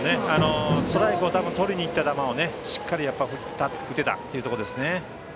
ストライクをとりにいった球をしっかり打てたということですね。